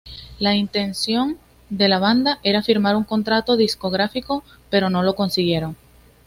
La intención de la banda era firmar un contrato discográfico, pero no lo consiguieron.